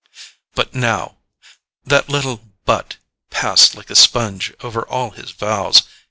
But now—that little BUT passed like a sponge over all his vows.